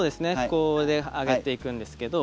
こうで上げていくんですけど。